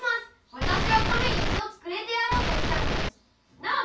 私は亀に１つくれてやろうとしたのです。なあ？